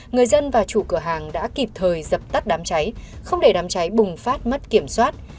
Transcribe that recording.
người dân và chủ cửa hàng đã kịp thời dập tắt đám cháy không để đám cháy bùng phát mất kiểm soát